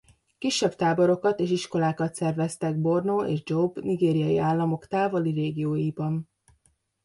Kisebb táborokat és iskolákat szerveztek Borno és Jobe nigériai államok távoli régióiban.